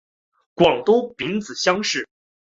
广东丙子乡试。